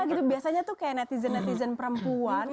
karena gitu biasanya tuh kayak netizen netizen perempuan